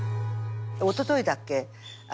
おとといだっけ？